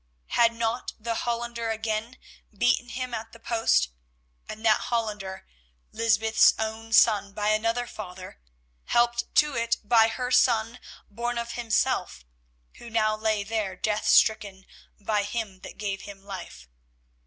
Had not the Hollander again beaten him at the post, and that Hollander—Lysbeth's own son by another father—helped to it by her son born of himself, who now lay there death stricken by him that gave him life.